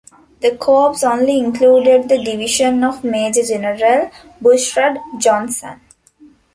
The corps only included the division of Major General Bushrod Johnson.